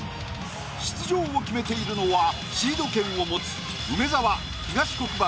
出場を決めているのはシード権を持つ梅沢東国原